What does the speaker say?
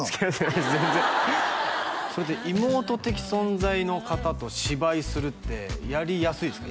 全然それって妹的存在の方と芝居するってやりやすいですか？